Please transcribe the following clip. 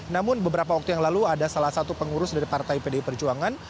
namun beberapa waktu yang lalu ada salah satu pengurus dari partai pdi perjuangan